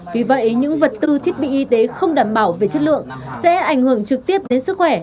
vì vậy những vật tư thiết bị y tế không đảm bảo về chất lượng sẽ ảnh hưởng trực tiếp đến sức khỏe